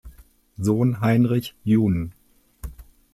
Sohn Heinrich jun.